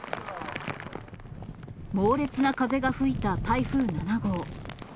猛烈な風が吹いた台風７号。